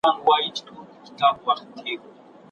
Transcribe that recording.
او نقاش به بېرته ستون کړي په ستومانه اوږو